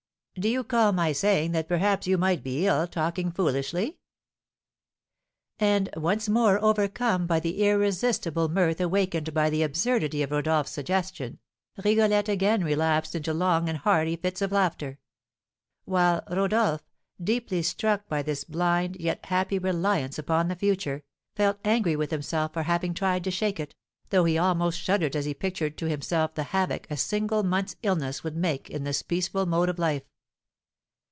"Do you call my saying that perhaps you might be ill, talking foolishly?" And, once more overcome by the irresistible mirth awakened by the absurdity of Rodolph's suggestion, Rigolette again relapsed into long and hearty fits of laughter; while Rodolph, deeply struck by this blind, yet happy reliance upon the future, felt angry with himself for having tried to shake it, though he almost shuddered as he pictured to himself the havoc a single month's illness would make in this peaceful mode of life.